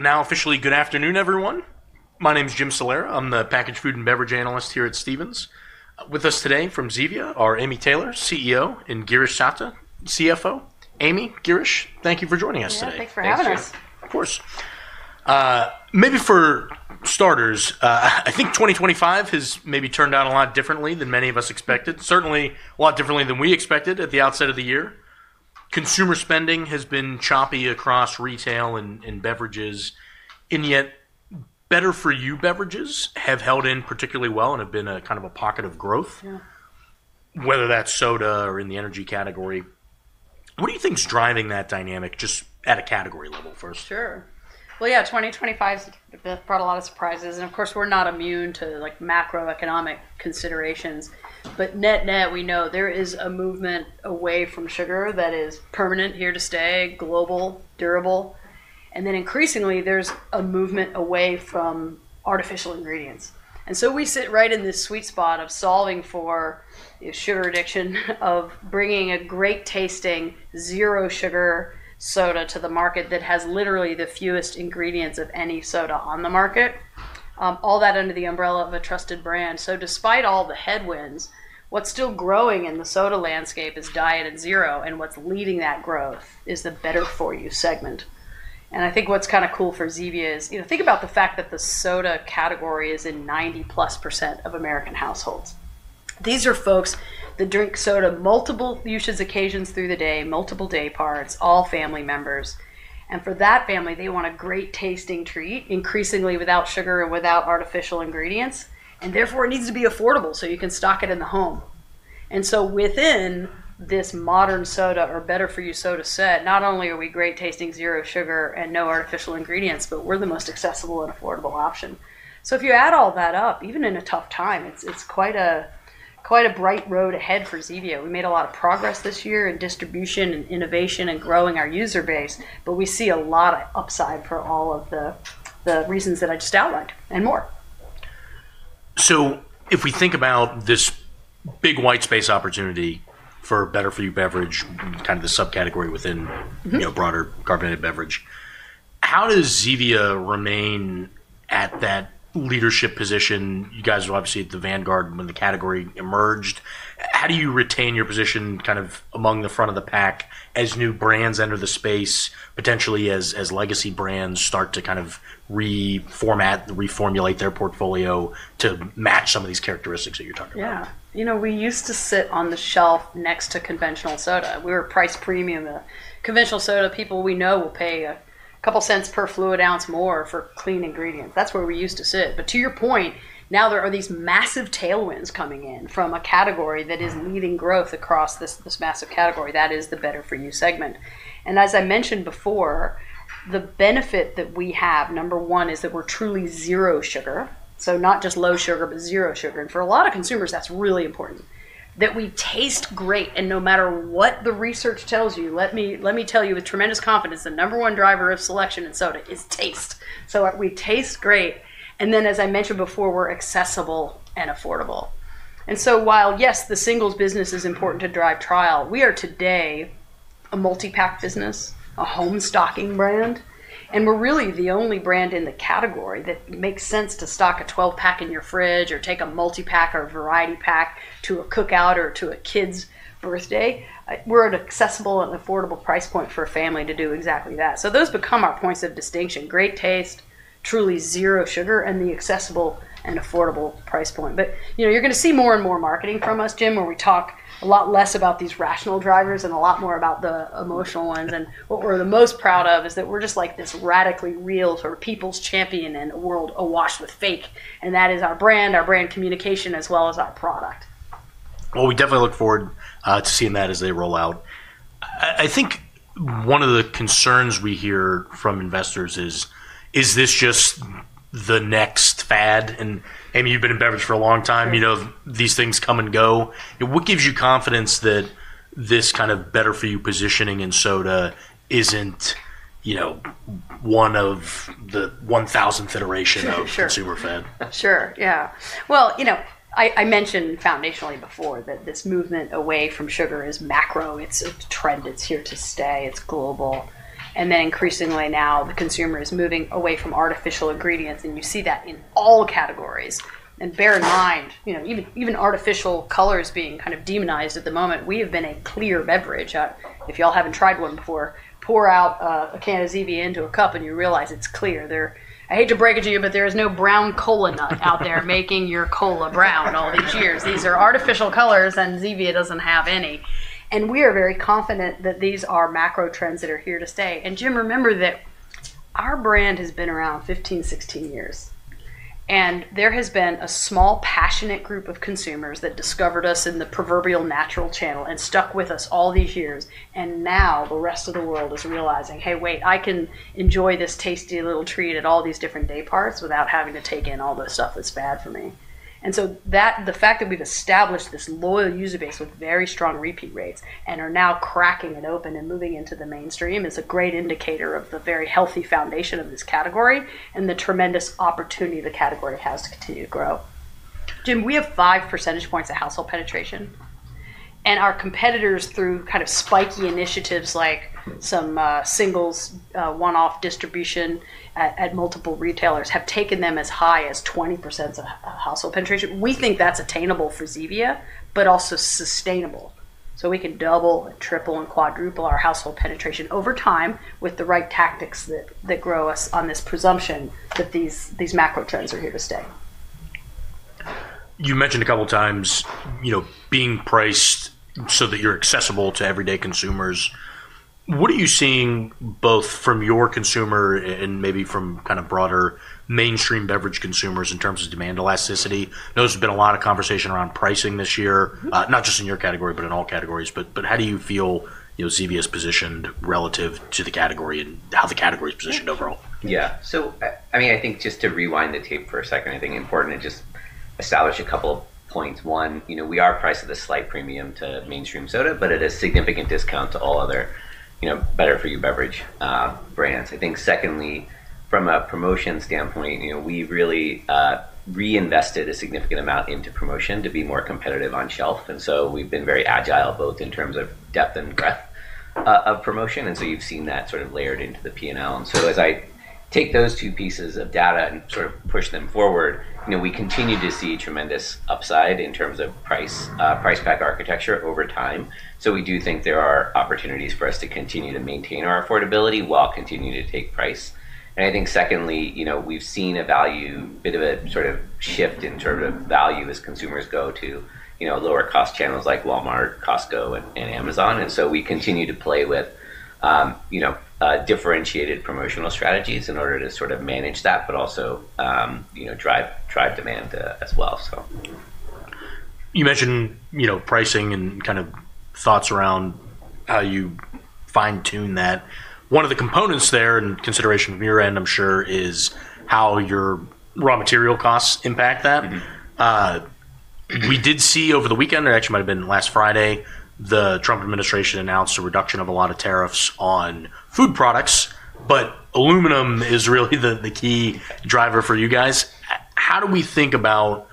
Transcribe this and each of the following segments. Now officially, good afternoon, everyone. My name's Jim Solera. I'm the packaged food and beverage analyst here at Stephens. With us today from Zevia are Amy Taylor, CEO, and Girish Satya, CFO. Amy, Girish, thank you for joining us today. Thank you for having us. Of course. Maybe for starters, I think 2025 has maybe turned out a lot differently than many of us expected, certainly a lot differently than we expected at the outset of the year. Consumer spending has been choppy across retail and beverages, and yet better-for-you beverages have held in particularly well and have been a kind of a pocket of growth, whether that's soda or in the energy category. What do you think's driving that dynamic, just at a category level first? Sure. Yeah, 2025's brought a lot of surprises. Of course, we're not immune to macroeconomic considerations. Net-net, we know there is a movement away from sugar that is permanent, here to stay, global, durable. Increasingly, there's a movement away from artificial ingredients. We sit right in this sweet spot of solving for the sugar addiction, of bringing a great-tasting, zero-sugar soda to the market that has literally the fewest ingredients of any soda on the market, all that under the umbrella of a trusted brand. Despite all the headwinds, what's still growing in the soda landscape is diet and zero. What's leading that growth is the better-for-you segment. I think what's kind of cool for Zevia is, think about the fact that the soda category is in 90-plus % of American households. These are folks that drink soda multiple use occasions through the day, multiple day parts, all family members. For that family, they want a great-tasting treat, increasingly without sugar and without artificial ingredients. Therefore, it needs to be affordable so you can stock it in the home. Within this modern soda or better-for-you soda set, not only are we great-tasting, zero sugar, and no artificial ingredients, but we're the most accessible and affordable option. If you add all that up, even in a tough time, it's quite a bright road ahead for Zevia. We made a lot of progress this year in distribution and innovation and growing our user base, but we see a lot of upside for all of the reasons that I just outlined and more. If we think about this big white space opportunity for better-for-you beverage, kind of the subcategory within broader carbonated beverage, how does Zevia remain at that leadership position? You guys were obviously at the vanguard when the category emerged. How do you retain your position kind of among the front of the pack as new brands enter the space, potentially as legacy brands start to kind of reformat and reformulate their portfolio to match some of these characteristics that you're talking about? Yeah. You know, we used to sit on the shelf next to conventional soda. We were price premium. The conventional soda people we know will pay a couple cents per fluid ounce more for clean ingredients. That's where we used to sit. To your point, now there are these massive tailwinds coming in from a category that is leading growth across this massive category. That is the better-for-you segment. As I mentioned before, the benefit that we have, number one, is that we're truly zero sugar, so not just low sugar, but zero sugar. For a lot of consumers, that's really important, that we taste great. No matter what the research tells you, let me tell you with tremendous confidence, the number one driver of selection in soda is taste. We taste great. As I mentioned before, we're accessible and affordable. While, yes, the singles business is important to drive trial, we are today a multi-pack business, a home stocking brand. We are really the only brand in the category that makes sense to stock a 12-pack in your fridge or take a multi-pack or a variety pack to a cookout or to a kid's birthday. We are at an accessible and affordable price point for a family to do exactly that. Those become our points of distinction: great taste, truly zero sugar, and the accessible and affordable price point. You are going to see more and more marketing from us, Jim, where we talk a lot less about these rational drivers and a lot more about the emotional ones. What we are the most proud of is that we are just like this radically real sort of people's champion in a world awash with fake. That is our brand, our brand communication, as well as our product. We definitely look forward to seeing that as they roll out. I think one of the concerns we hear from investors is, is this just the next fad? Amy, you've been in beverage for a long time. These things come and go. What gives you confidence that this kind of better-for-you positioning in soda isn't one of the 1,000 federation of consumer fed? Sure. Yeah. You know I mentioned foundationally before that this movement away from sugar is macro. It is a trend. It is here to stay. It is global. Increasingly now, the consumer is moving away from artificial ingredients. You see that in all categories. Bear in mind, even artificial colors being kind of demonized at the moment, we have been a clear beverage. If y'all have not tried one before, pour out a can of Zevia into a cup and you realize it is clear. I hate to break it to you, but there is no brown kola nut out there making your kola brown all these years. These are artificial colors, and Zevia does not have any. We are very confident that these are macro trends that are here to stay. Jim, remember that our brand has been around 15, 16 years. There has been a small, passionate group of consumers that discovered us in the proverbial natural channel and stuck with us all these years. Now the rest of the world is realizing, hey, wait, I can enjoy this tasty little treat at all these different day parts without having to take in all this stuff that's bad for me. The fact that we've established this loyal user base with very strong repeat rates and are now cracking it open and moving into the mainstream is a great indicator of the very healthy foundation of this category and the tremendous opportunity the category has to continue to grow. Jim, we have five percentage points of household penetration. Our competitors through kind of spiky initiatives like some singles one-off distribution at multiple retailers have taken them as high as 20% of household penetration. We think that's attainable for Zevia, but also sustainable. We can double and triple and quadruple our household penetration over time with the right tactics that grow us on this presumption that these macro trends are here to stay. You mentioned a couple of times being priced so that you're accessible to everyday consumers. What are you seeing both from your consumer and maybe from kind of broader mainstream beverage consumers in terms of demand elasticity? I know there's been a lot of conversation around pricing this year, not just in your category, but in all categories. How do you feel Zevia's positioned relative to the category and how the category's positioned overall? Yeah. So I mean, I think just to rewind the tape for a second, I think it's important to just establish a couple of points. One, we are priced at a slight premium to mainstream soda, but at a significant discount to all other better-for-you beverage brands. I think secondly, from a promotion standpoint, we really reinvested a significant amount into promotion to be more competitive on shelf. We've been very agile both in terms of depth and breadth of promotion. You've seen that sort of layered into the P&L. As I take those two pieces of data and sort of push them forward, we continue to see tremendous upside in terms of price pack architecture over time. We do think there are opportunities for us to continue to maintain our affordability while continuing to take price. I think secondly, we've seen a bit of a sort of shift in terms of value as consumers go to lower-cost channels like Walmart, Costco, and Amazon. We continue to play with differentiated promotional strategies in order to sort of manage that, but also drive demand as well. You mentioned pricing and kind of thoughts around how you fine-tune that. One of the components there and consideration from your end, I'm sure, is how your raw material costs impact that. We did see over the weekend, or actually might have been last Friday, the Trump administration announced a reduction of a lot of tariffs on food products. Aluminum is really the key driver for you guys. How do we think about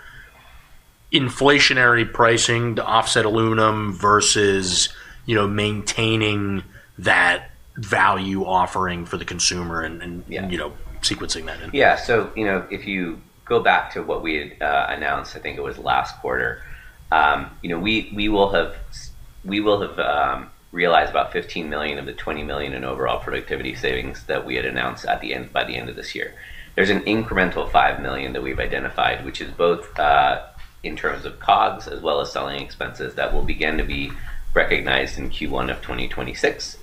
inflationary pricing to offset aluminum versus maintaining that value offering for the consumer and sequencing that in? Yeah. If you go back to what we had announced, I think it was last quarter, we will have realized about $15 million of the $20 million in overall productivity savings that we had announced by the end of this year. There is an incremental $5 million that we have identified, which is both in terms of COGS as well as selling expenses that will begin to be recognized in Q1 of 2026.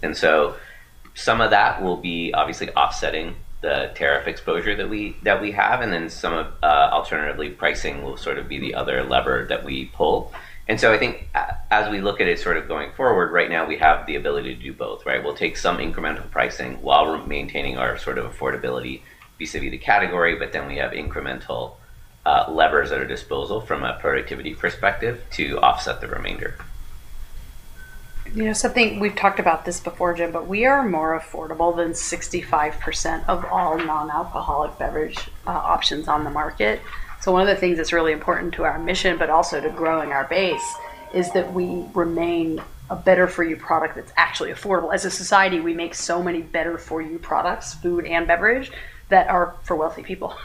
Some of that will be obviously offsetting the tariff exposure that we have. Some of, alternatively, pricing will sort of be the other lever that we pull. I think as we look at it going forward, right now we have the ability to do both. We will take some incremental pricing while maintaining our sort of affordability vis-à-vis the category. We have incremental levers at our disposal from a productivity perspective to offset the remainder. You know, something we've talked about this before, Jim, but we are more affordable than 65% of all non-alcoholic beverage options on the market. So one of the things that's really important to our mission, but also to growing our base, is that we remain a better-for-you product that's actually affordable. As a society, we make so many better-for-you products, food and beverage, that are for wealthy people.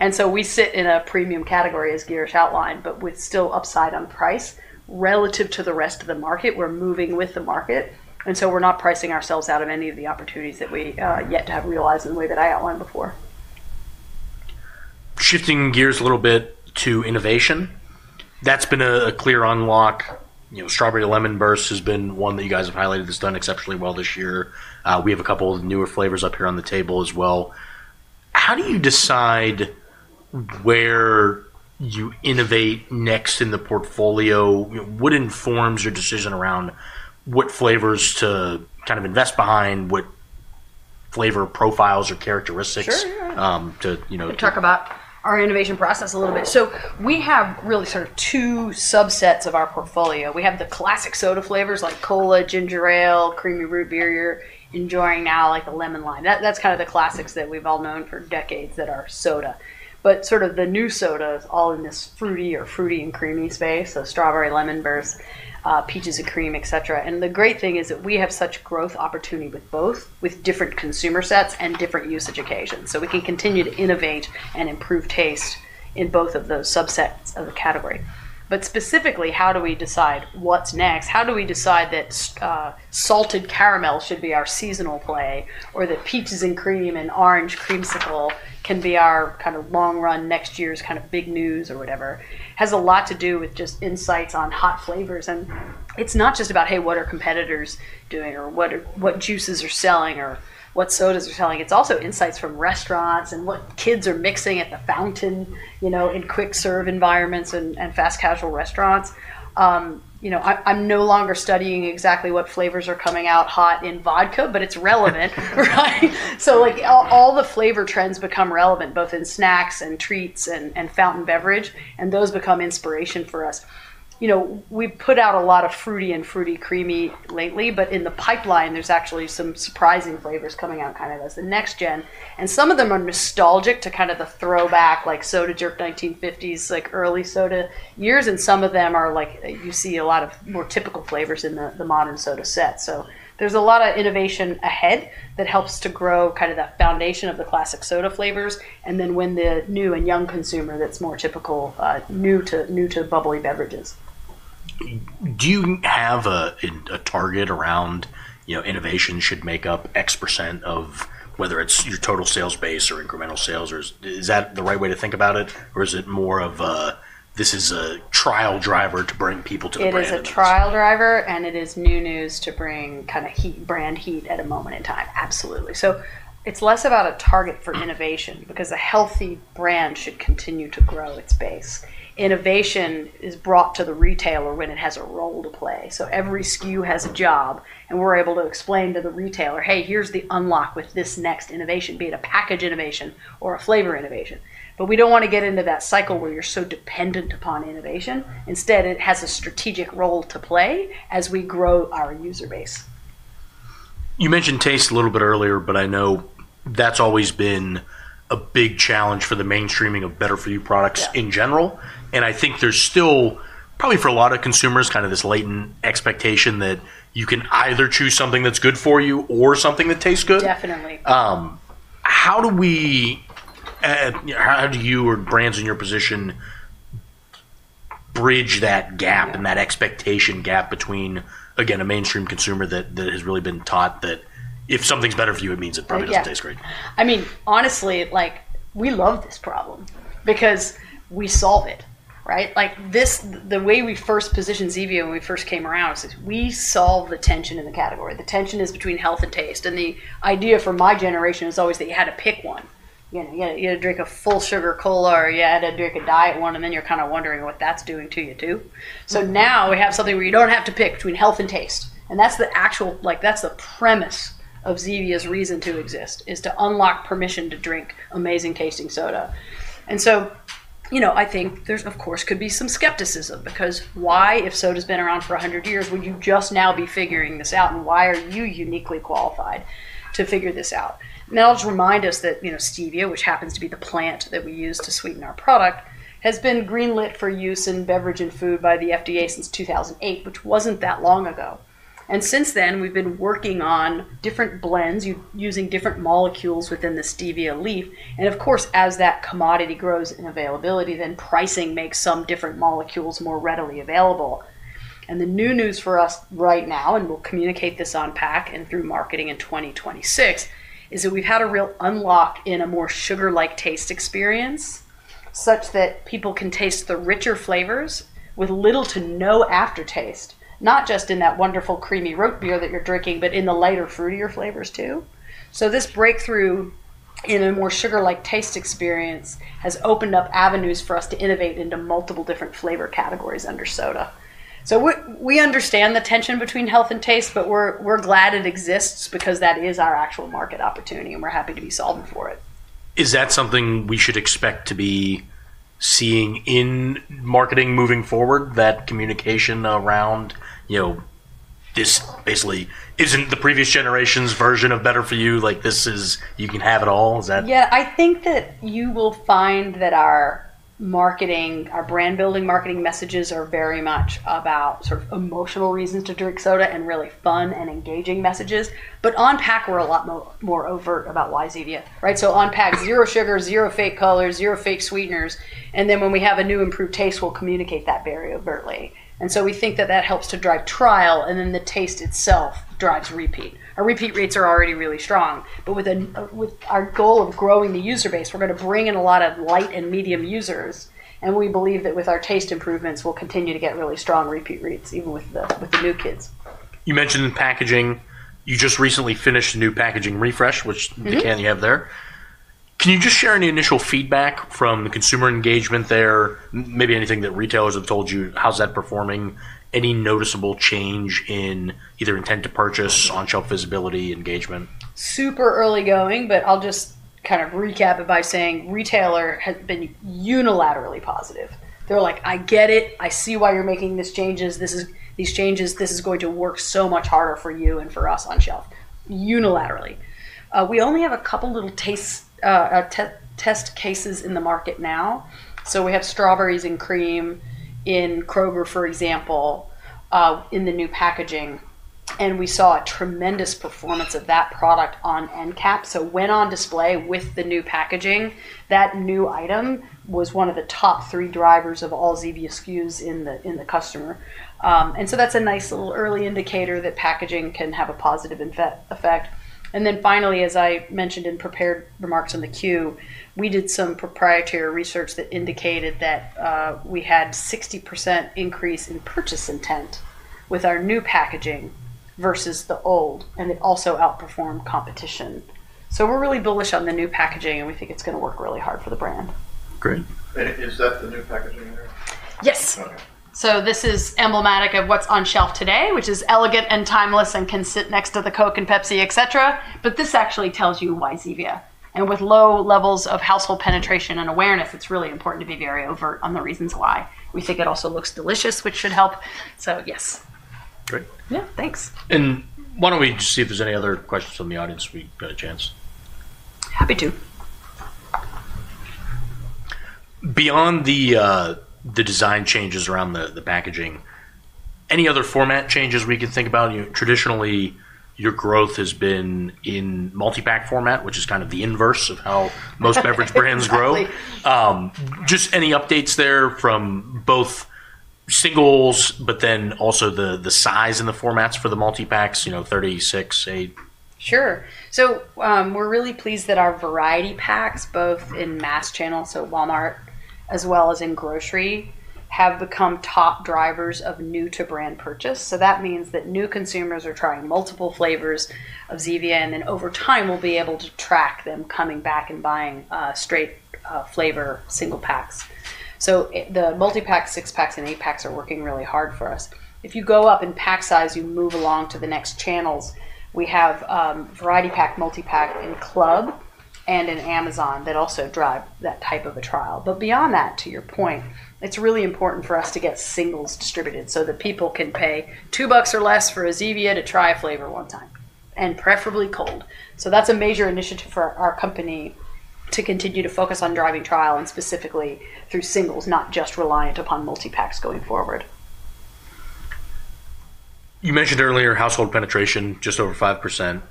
And so we sit in a premium category, as Girish outlined, but with still upside on price relative to the rest of the market. We're moving with the market. And so we're not pricing ourselves out of any of the opportunities that we yet to have realized in the way that I outlined before. Shifting gears a little bit to innovation, that's been a clear unlock. Strawberry Lemon Burst has been one that you guys have highlighted has done exceptionally well this year. We have a couple of newer flavors up here on the table as well. How do you decide where you innovate next in the portfolio? What informs your decision around what flavors to kind of invest behind, what flavor profiles or characteristics? Sure. We can talk about our innovation process a little bit. So we have really sort of two subsets of our portfolio. We have the classic soda flavors like cola, Ginger Ale, Creamy Root Beer you're enjoying now, like the Lemon Lime. That's kind of the classics that we've all known for decades that are soda. But sort of the new soda is all in this fruity or fruity and creamy space, so Strawberry Lemon Burst, Peaches and Cream, et cetera. And the great thing is that we have such growth opportunity with both, with different consumer sets and different usage occasions. So we can continue to innovate and improve taste in both of those subsets of the category. But specifically, how do we decide what's next? How do we decide that salted caramel should be our seasonal play or that peaches and cream and orange creamsicle can be our kind of long run next year's kind of big news or whatever? It has a lot to do with just insights on hot flavors. And it's not just about, hey, what are competitors doing or what juices are selling or what sodas are selling. It's also insights from restaurants and what kids are mixing at the fountain in quick-serve environments and fast casual restaurants. I'm no longer studying exactly what flavors are coming out hot in vodka, but it's relevant. So all the flavor trends become relevant both in snacks and treats and fountain beverage, and those become inspiration for us. We've put out a lot of fruity and fruity creamy lately, but in the pipeline, there's actually some surprising flavors coming out kind of as the next gen. And some of them are nostalgic to kind of the throwback, like soda jerk 1950s, like early soda years. And some of them are like you see a lot of more typical flavors in the modern soda set. So there's a lot of innovation ahead that helps to grow kind of that foundation of the classic soda flavors and then win the new and young consumer that's more typical, new to bubbly beverages. Do you have a target around innovation should make up X percent of whether it's your total sales base or incremental sales? Is that the right way to think about it? Or is it more of this is a trial driver to bring people to the brand? It is a trial driver, and it is new news to bring kind of brand heat at a moment in time. Absolutely. So it's less about a target for innovation because a healthy brand should continue to grow its base. Innovation is brought to the retailer when it has a role to play. So every SKU has a job, and we're able to explain to the retailer, hey, here's the unlock with this next innovation, be it a package innovation or a flavor innovation. But we don't want to get into that cycle where you're so dependent upon innovation. Instead, it has a strategic role to play as we grow our user base. You mentioned taste a little bit earlier, but I know that's always been a big challenge for the mainstreaming of better-for-you products in general. And I think there's still probably for a lot of consumers kind of this latent expectation that you can either choose something that's good for you or something that tastes good. Definitely. How do we or brands in your position bridge that gap and that expectation gap between, again, a mainstream consumer that has really been taught that if something's better for you, it means it probably doesn't taste great? Yeah. I mean, honestly, we love this problem because we solve it. The way we first positioned Zevia when we first came around, we said, we solve the tension in the category. The tension is between health and taste. And the idea for my generation is always that you had to pick one. You had to drink a full sugar cola, or you had to drink a diet one, and then you're kind of wondering what that's doing to you too. So now we have something where you don't have to pick between health and taste. And that's the premise of Zevia's reason to exist, is to unlock permission to drink amazing tasting soda. And so I think there's, of course, could be some skepticism because why, if soda's been around for 100 years, would you just now be figuring this out? Why are you uniquely qualified to figure this out? That'll just remind us that Stevia, which happens to be the plant that we use to sweeten our product, has been greenlit for use in beverage and food by the FDA since 2008, which was not that long ago. Since then, we've been working on different blends using different molecules within the Stevia leaf. Of course, as that commodity grows in availability, then pricing makes some different molecules more readily available. The new news for us right now, and we'll communicate this on PAC and through marketing in 2026, is that we've had a real unlock in a more sugar-like taste experience such that people can taste the richer flavors with little to no aftertaste, not just in that wonderful Creamy Root Beer that you're drinking, but in the lighter fruitier flavors too. So this breakthrough in a more sugar-like taste experience has opened up avenues for us to innovate into multiple different flavor categories under soda. So we understand the tension between health and taste, but we're glad it exists because that is our actual market opportunity, and we're happy to be solving for it. Is that something we should expect to be seeing in marketing moving forward, that communication around this basically isn't the previous generation's version of better-for-you, like this is you can have it all? Yeah. I think that you will find that our brand-building marketing messages are very much about sort of emotional reasons to drink soda and really fun and engaging messages. But on PAC, we're a lot more overt about why Zevia. So on PAC, zero sugar, zero fake colors, zero fake sweeteners. And then when we have a new improved taste, we'll communicate that very overtly. And so we think that that helps to drive trial, and then the taste itself drives repeat. Our repeat rates are already really strong. But with our goal of growing the user base, we're going to bring in a lot of light and medium users. And we believe that with our taste improvements, we'll continue to get really strong repeat rates even with the new kids. You mentioned packaging. You just recently finished a new packaging refresh, which the can you have there. Can you just share any initial feedback from the consumer engagement there, maybe anything that retailers have told you? How's that performing? Any noticeable change in either intent to purchase, on-shelf visibility, engagement? Super early going, but I'll just kind of recap it by saying retailer has been unilaterally positive. They're like, I get it. I see why you're making these changes. This is going to work so much harder for you and for us on shelf, unilaterally. We only have a couple little test cases in the market now. So we have strawberries and cream in Kroger, for example, in the new packaging. And we saw a tremendous performance of that product on end cap. So when on display with the new packaging, that new item was one of the top three drivers of all Zevia SKUs in the customer. And so that's a nice little early indicator that packaging can have a positive effect. Finally, as I mentioned in prepared remarks on the Q, we did some proprietary research that indicated that we had a 60% increase in purchase intent with our new packaging versus the old, and it also outperformed competition. We are really bullish on the new packaging, and we think it's going to work really hard for the brand. Great. Is that the new packaging? Yes. So this is emblematic of what's on shelf today, which is elegant and timeless and can sit next to the Coke and Pepsi, et cetera. But this actually tells you why Zevia. And with low levels of household penetration and awareness, it's really important to be very overt on the reasons why. We think it also looks delicious, which should help. So yes. Great. Yeah. Thanks. And why don't we just see if there's any other questions from the audience if we get a chance? Happy to. Beyond the design changes around the packaging, any other format changes we can think about? Traditionally, your growth has been in multi-pack format, which is kind of the inverse of how most beverage brands grow. Just any updates there from both singles, but then also the size and the formats for the multi-packs, 36, 8? Sure. So we're really pleased that our variety packs, both in mass channel, so Walmart, as well as in grocery, have become top drivers of new-to-brand purchase. So that means that new consumers are trying multiple flavors of Zevia, and then over time, we'll be able to track them coming back and buying straight flavor single packs. So the multi-pack, six-packs, and eight-packs are working really hard for us. If you go up in pack size, you move along to the next channels. We have variety pack, multi-pack, and club, and an Amazon that also drive that type of a trial. But beyond that, to your point, it's really important for us to get singles distributed so that people can pay two bucks or less for a Zevia to try a flavor one time, and preferably cold. So that's a major initiative for our company to continue to focus on driving trial and specifically through singles, not just reliant upon multi-packs going forward. You mentioned earlier household penetration just over 5%,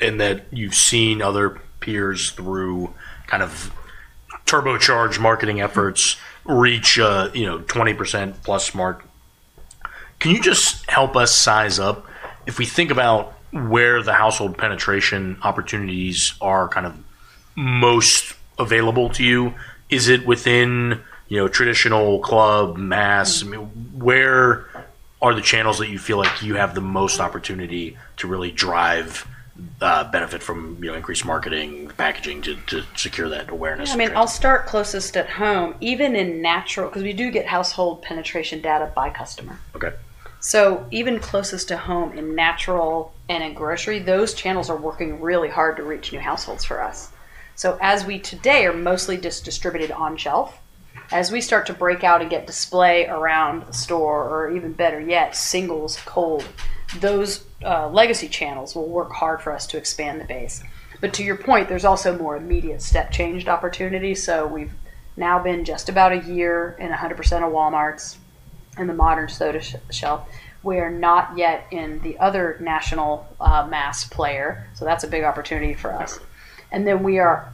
and that you've seen other peers through kind of turbocharged marketing efforts reach 20% plus mark. Can you just help us size up? If we think about where the household penetration opportunities are kind of most available to you, is it within traditional club, mass? Where are the channels that you feel like you have the most opportunity to really drive benefit from increased marketing, packaging to secure that awareness? I mean, I'll start closest at home, even in natural, because we do get household penetration data by customer. So even closest to home in natural and in grocery, those channels are working really hard to reach new households for us. So as we today are mostly just distributed on shelf, as we start to break out and get display around the store, or even better yet, singles, cold, those legacy channels will work hard for us to expand the base. But to your point, there's also more immediate step-changed opportunity. So we've now been just about a year in 100% of Walmarts and the modern soda shelf. We are not yet in the other national mass player. So that's a big opportunity for us. And then we are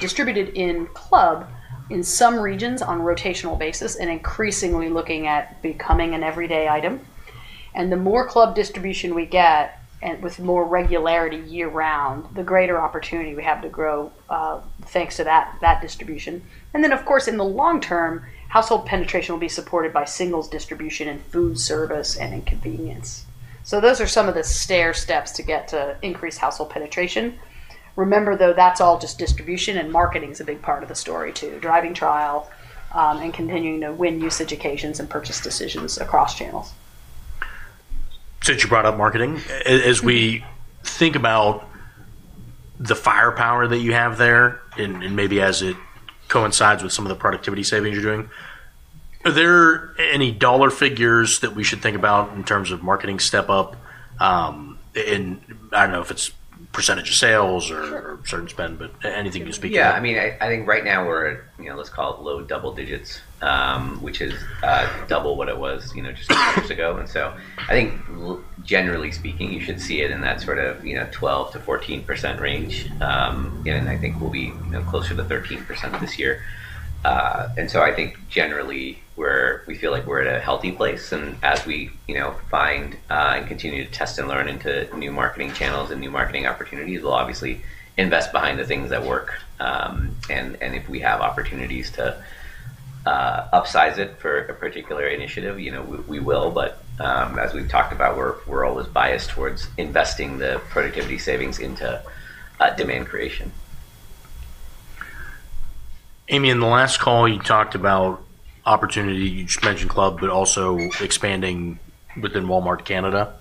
distributed in club in some regions on rotational basis and increasingly looking at becoming an everyday item. And the more club distribution we get and with more regularity year-round, the greater opportunity we have to grow thanks to that distribution. And then, of course, in the long term, household penetration will be supported by singles distribution and food service and inconvenience. So those are some of the stair steps to get to increased household penetration. Remember, though, that's all just distribution, and marketing is a big part of the story too, driving trial and continuing to win usage occasions and purchase decisions across channels. Since you brought up marketing, as we think about the firepower that you have there and maybe as it coincides with some of the productivity savings you're doing, are there any dollar figures that we should think about in terms of marketing step up? And I don't know if it's percentage of sales or certain spend, but anything you speak to. Yeah. I mean, I think right now we're at, let's call it low double digits, which is double what it was just two years ago. And so I think generally speaking, you should see it in that sort of 12 to 14% range. And I think we'll be closer to 13% this year. And so I think generally we feel like we're at a healthy place. And as we find and continue to test and learn into new marketing channels and new marketing opportunities, we'll obviously invest behind the things that work. And if we have opportunities to upsize it for a particular initiative, we will. But as we've talked about, we're always biased towards investing the productivity savings into demand creation. Amy, in the last call, you talked about opportunity. You just mentioned club, but also expanding within Walmart Canada.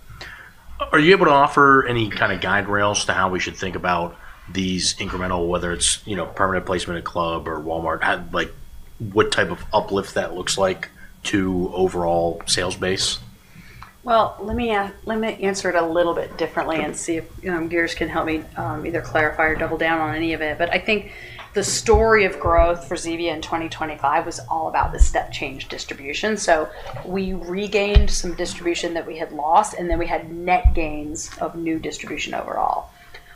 Are you able to offer any kind of guide rails to how we should think about these incremental, whether it's permanent placement in club or Walmart, what type of uplift that looks like to overall sales base? Well, let me answer it a little bit differently and see if Gears can help me either clarify or double down on any of it. But I think the story of growth for Zevia in 2025 was all about the step-change distribution. So we regained some distribution that we had lost, and then we had net gains of new distribution overall.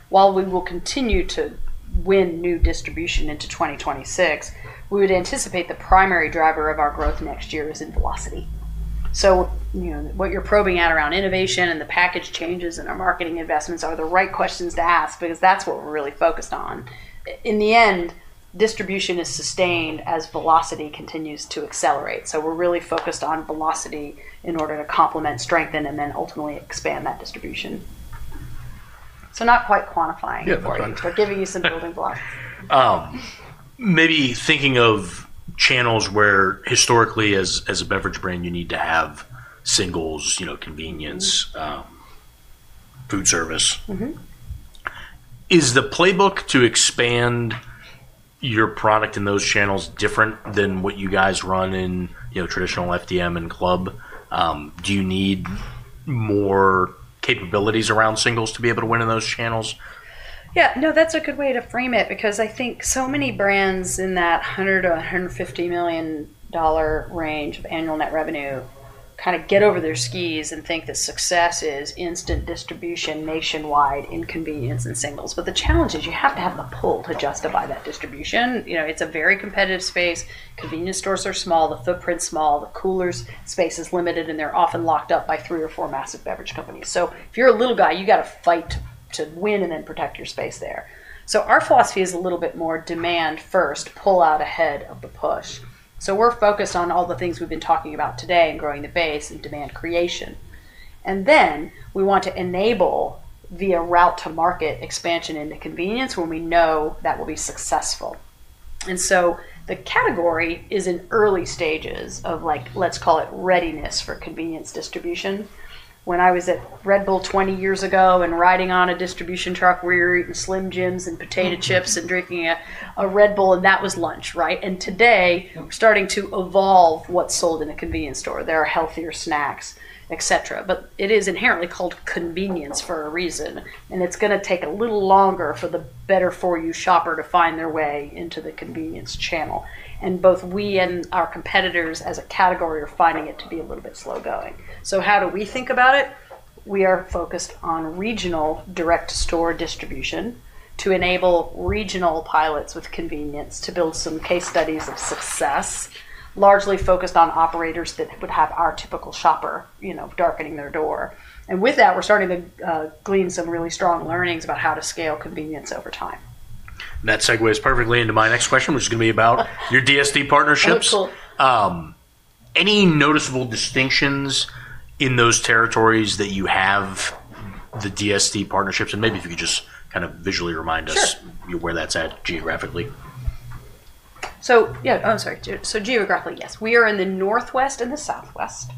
While we will continue to win new distribution into 2026, we would anticipate the primary driver of our growth next year is in velocity. So what you're probing out around innovation and the package changes and our marketing investments are the right questions to ask because that's what we're really focused on. In the end, distribution is sustained as velocity continues to accelerate. So we're really focused on velocity in order to complement, strengthen, and then ultimately expand that distribution. So not quite quantifying, but giving you some building blocks. Maybe thinking of channels where historically, as a beverage brand, you need to have singles, convenience, food service. Is the playbook to expand your product in those channels different than what you guys run in traditional FDM and club? Do you need more capabilities around singles to be able to win in those channels? Yeah. No, that's a good way to frame it because I think so many brands in that 100 to 150 million dollar range of annual net revenue kind of get over their skis and think that success is instant distribution nationwide, inconvenience, and singles. But the challenge is you have to have the pull to justify that distribution. It's a very competitive space. Convenience stores are small. The footprint's small. The cooler space is limited, and they're often locked up by three or four massive beverage companies. So if you're a little guy, you got to fight to win and then protect your space there. So our philosophy is a little bit more demand first, pull out ahead of the push. So we're focused on all the things we've been talking about today and growing the base and demand creation. And then we want to enable via route to market expansion into convenience when we know that will be successful. And so the category is in early stages of, let's call it readiness for convenience distribution. When I was at Red Bull 20 years ago and riding on a distribution truck, we were eating slim jams and potato chips and drinking a Red Bull, and that was lunch, right? And today, we're starting to evolve what's sold in a convenience store. There are healthier snacks, et cetera. But it is inherently called convenience for a reason. And it's going to take a little longer for the better-for-you shopper to find their way into the convenience channel. And both we and our competitors as a category are finding it to be a little bit slow going. So how do we think about it? We are focused on regional direct store distribution to enable regional pilots with convenience to build some case studies of success, largely focused on operators that would have our typical shopper darkening their door. And with that, we're starting to glean some really strong learnings about how to scale convenience over time. That segues perfectly into my next question, which is going to be about your DSD partnerships. Oh, cool. Any noticeable distinctions in those territories that you have the DSD partnerships? And maybe if you could just kind of visually remind us where that's at geographically. Yeah, I'm sorry. Geographically, yes. We are in the northwest and the southwest.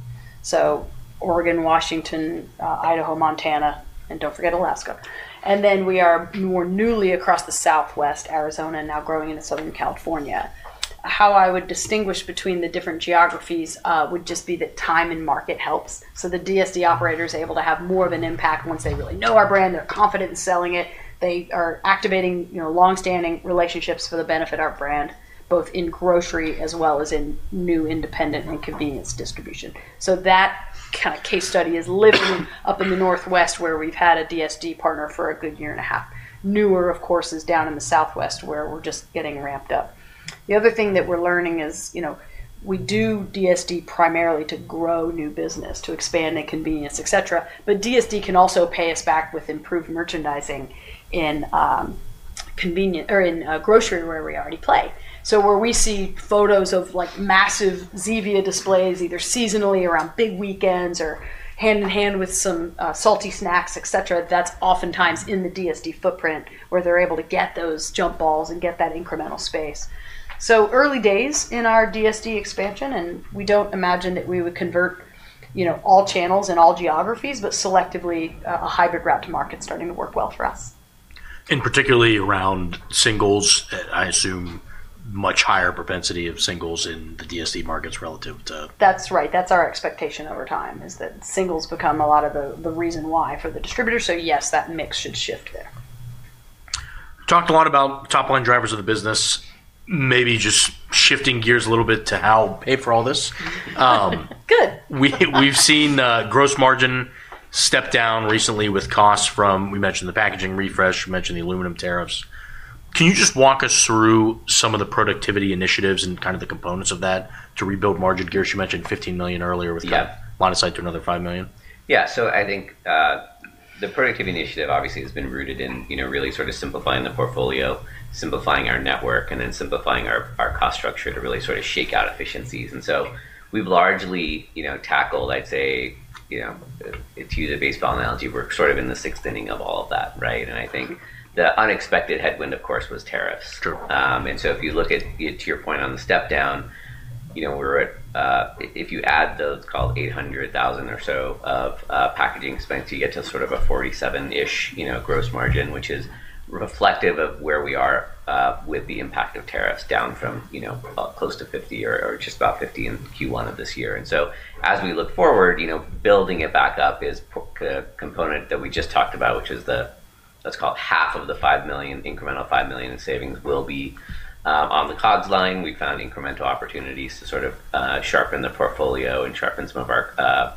Oregon, Washington, Idaho, Montana, and don't forget Alaska. We are more newly across the southwest, Arizona, and now growing into southern California. How I would distinguish between the different geographies would just be that time in market helps. The DSD operator is able to have more of an impact once they really know our brand. They're confident in selling it. They are activating long-standing relationships for the benefit of our brand, both in grocery as well as in new independent and convenience distribution. That kind of case study is living up in the northwest where we've had a DSD partner for a good year and a half. Newer, of course, is down in the southwest where we're just getting ramped up. The other thing that we're learning is we do DSD primarily to grow new business, to expand inconvenience, et cetera. But DSD can also pay us back with improved merchandising in grocery where we already play. So where we see photos of massive Zevia displays either seasonally around big weekends or hand in hand with some salty snacks, et cetera, that's oftentimes in the DSD footprint where they're able to get those jump balls and get that incremental space. So early days in our DSD expansion, and we don't imagine that we would convert all channels and all geographies, but selectively, a hybrid route to market is starting to work well for us. And particularly around singles, I assume much higher propensity of singles in the DSD markets relative to. That's right. That's our expectation over time is that singles become a lot of the reason why for the distributor. So yes, that mix should shift there. Talked a lot about top-line drivers of the business, maybe just shifting gears a little bit to how pay for all this. Good. We've seen gross margin step down recently with costs from, we mentioned the packaging refresh. You mentioned the aluminum tariffs. Can you just walk us through some of the productivity initiatives and kind of the components of that to rebuild margin gears? You mentioned $15 million earlier with kind of line of sight to another $5 million. Yeah. So I think the productivity initiative obviously has been rooted in really sort of simplifying the portfolio, simplifying our network, and then simplifying our cost structure to really sort of shake out efficiencies. And so we've largely tackled, I'd say, to use a baseball analogy, we're sort of in the sixth inning of all of that, right? And I think the unexpected headwind, of course, was tariffs. And so if you look at, to your point on the step down, we're at, if you add the, let's call it 800,000 or so of packaging expense, you get to sort of a 47-ish gross margin, which is reflective of where we are with the impact of tariffs down from close to 50 or just about 50 in Q1 of this year. And so as we look forward, building it back up is the component that we just talked about, which is the, let's call it half of the 5 million, incremental 5 million in savings will be on the COGS line. We found incremental opportunities to sort of sharpen the portfolio and sharpen some of our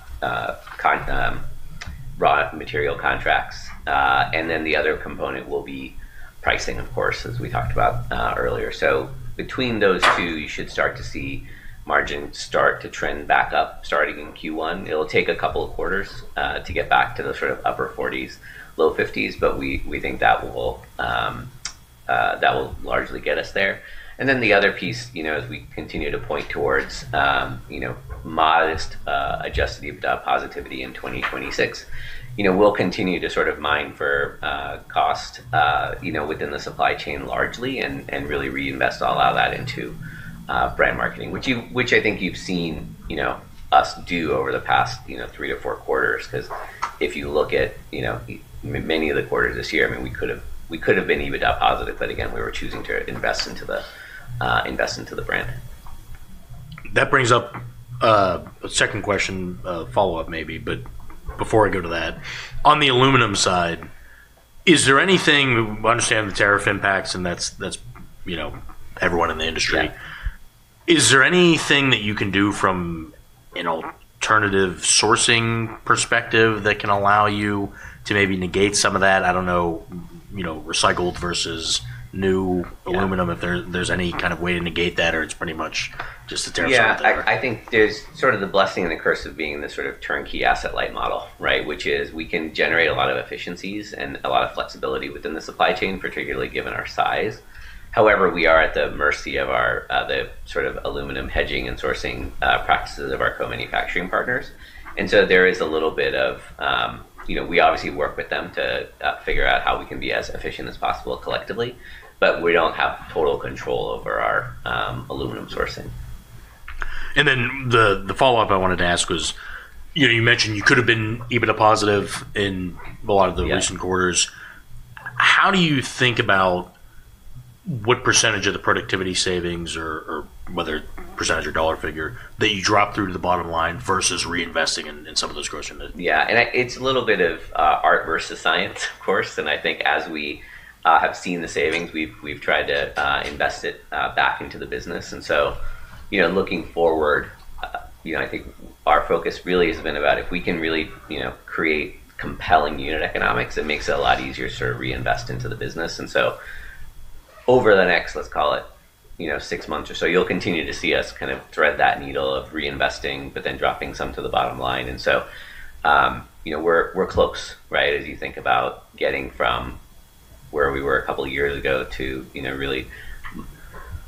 raw material contracts. And then the other component will be pricing, of course, as we talked about earlier. So between those two, you should start to see margin start to trend back up starting in Q1. It'll take a couple of quarters to get back to the sort of upper 40s, low 50s, but we think that will largely get us there. And then the other piece, as we continue to point towards modest adjusted positivity in 2026, we'll continue to sort of mine for cost within the supply chain largely and really reinvest all of that into brand marketing, which I think you've seen us do over the past three to four quarters. Because if you look at many of the quarters this year, I mean, we could have been even that positive. But again, we were choosing to invest into the brand. That brings up a second question, follow-up maybe. But before I go to that, on the aluminum side, is there anything we understand the tariff impacts, and that's everyone in the industry. Is there anything that you can do from an alternative sourcing perspective that can allow you to maybe negate some of that? I don't know, recycled versus new aluminum, if there's any kind of way to negate that, or it's pretty much just a tariff. Yeah. I think there's sort of the blessing and the curse of being in this sort of turnkey asset light model, right, which is we can generate a lot of efficiencies and a lot of flexibility within the supply chain, particularly given our size. However, we are at the mercy of the sort of aluminum hedging and sourcing practices of our co-manufacturing partners. And so there is a little bit of we obviously work with them to figure out how we can be as efficient as possible collectively, but we don't have total control over our aluminum sourcing. And then the follow-up I wanted to ask was you mentioned you could have been even a positive in a lot of the recent quarters. How do you think about what percentage of the productivity savings or whether percentage or dollar figure that you drop through to the bottom line versus reinvesting in some of those gross units? Yeah. And it's a little bit of art versus science, of course. And I think as we have seen the savings, we've tried to invest it back into the business. And so looking forward, I think our focus really has been about if we can really create compelling unit economics, it makes it a lot easier to reinvest into the business. And so over the next, let's call it six months or so, you'll continue to see us kind of thread that needle of reinvesting, but then dropping some to the bottom line. And so we're close, right, as you think about getting from where we were a couple of years ago to really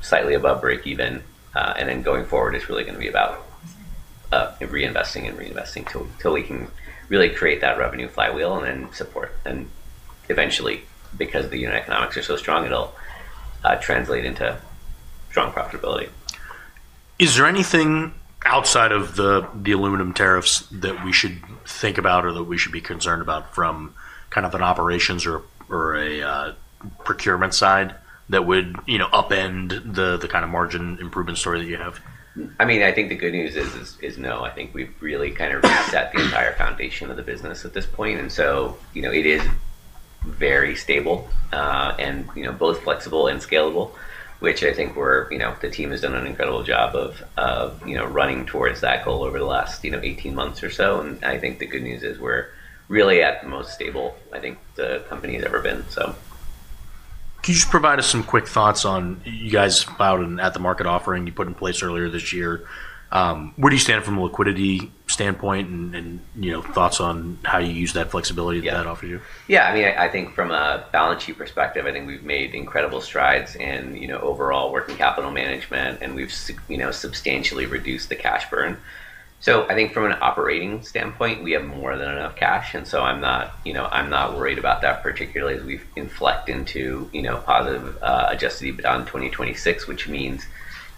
slightly above break-even. And then going forward, it's really going to be about reinvesting and reinvesting until we can really create that revenue flywheel and then support. Eventually, because the unit economics are so strong, it'll translate into strong profitability. Is there anything outside of the aluminum tariffs that we should think about or that we should be concerned about from kind of an operations or a procurement side that would upend the kind of margin improvement story that you have? I mean, I think the good news is no. I think we've really kind of set the entire foundation of the business at this point. It is very stable and both flexible and scalable, which I think the team has done an incredible job of running towards that goal over the last 18 months or so. I think the good news is we're really at the most stable, I think, the company has ever been. Can you just provide us some quick thoughts on you guys' at-the-market offering you put in place earlier this year? Where do you stand from a liquidity standpoint and thoughts on how you use that flexibility that that offered you? Yeah. I mean, I think from a balance sheet perspective, I think we've made incredible strides in overall working capital management, and we've substantially reduced the cash burn. So I think from an operating standpoint, we have more than enough cash. And so I'm not worried about that, particularly as we've inflected into positive adjusted EBITDA in 2026, which means,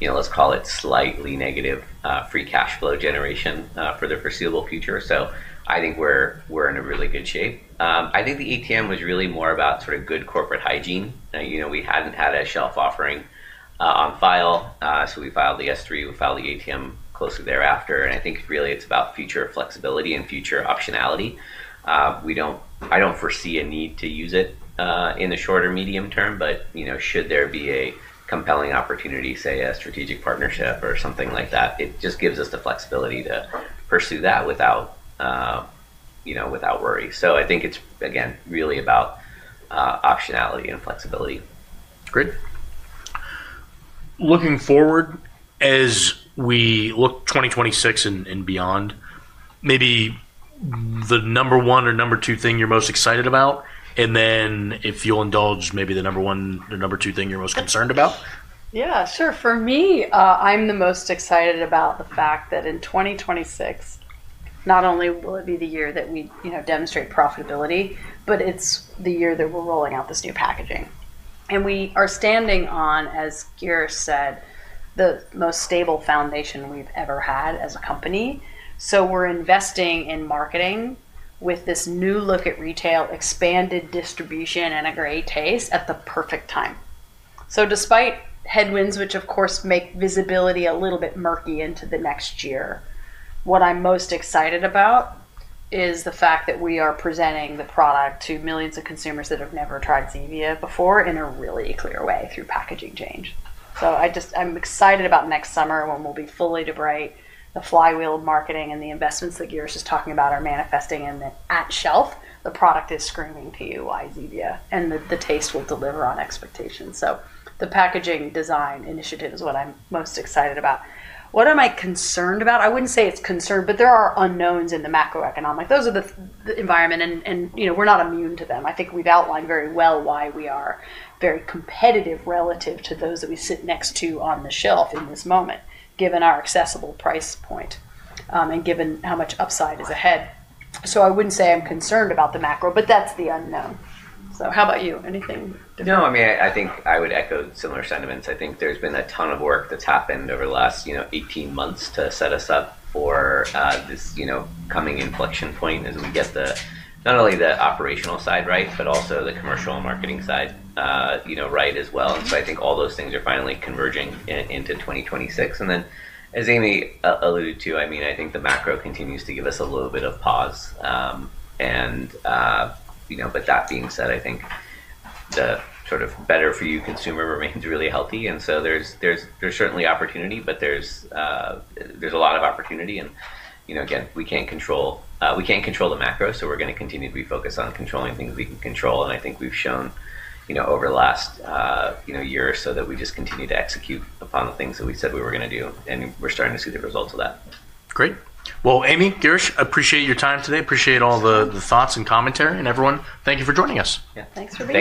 let's call it slightly negative free cash flow generation for the foreseeable future. So I think we're in a really good shape. I think the ATM was really more about sort of good corporate hygiene. We hadn't had a shelf offering on file. So we filed the S3. We filed the ATM closely thereafter. And I think really it's about future flexibility and future optionality. I don't foresee a need to use it in the short or medium term, but should there be a compelling opportunity, say, a strategic partnership or something like that, it just gives us the flexibility to pursue that without worry. So I think it's, again, really about optionality and flexibility. Great. Looking forward, as we look 2026 and beyond, maybe the number one or number two thing you're most excited about, and then, if you'll indulge, maybe the number one or number two thing you're most concerned about. Yeah. Sure. For me, I'm the most excited about the fact that in 2026, not only will it be the year that we demonstrate profitability, but it's the year that we're rolling out this new packaging. And we are standing on, as Girish said, the most stable foundation we've ever had as a company. So we're investing in marketing with this new look at retail, expanded distribution, and a great taste at the perfect time. So despite headwinds, which of course make visibility a little bit murky into the next year, what I'm most excited about is the fact that we are presenting the product to millions of consumers that have never tried Zevia before in a really clear way through packaging change. So I'm excited about next summer when we'll be fully to bright. The flywheel of marketing and the investments that Girish is talking about are manifesting in that at shelf, the product is screaming to you, why Zevia, and the taste will deliver on expectations. So the packaging design initiative is what I'm most excited about. What am I concerned about? I wouldn't say it's concerned, but there are unknowns in the macroeconomic environment, and we're not immune to them. I think we've outlined very well why we are very competitive relative to those that we sit next to on the shelf in this moment, given our accessible price point and given how much upside is ahead. So I wouldn't say I'm concerned about the macro, but that's the unknown. So how about you? Anything? No. I mean, I think I would echo similar sentiments. I think there's been a ton of work that's happened over the last 18 months to set us up for this coming inflection point as we get not only the operational side right, but also the commercial and marketing side right as well. And so I think all those things are finally converging into 2026. And then, as Amy alluded to, I mean, I think the macro continues to give us a little bit of pause. And with that being said, I think the sort of better-for-you consumer remains really healthy. And so there's certainly opportunity, but there's a lot of opportunity. And again, we can't control the macro, so we're going to continue to be focused on controlling things we can control. And I think we've shown over the last year or so that we just continue to execute upon the things that we said we were going to do, and we're starting to see the results of that. Great. Well, Amy, Geers, appreciate your time today. Appreciate all the thoughts and commentary and everyone. Thank you for joining us. Yeah. Thanks for being.